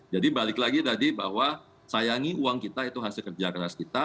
jadi balik lagi tadi bahwa sayangi uang kita itu hasil kerja keras kita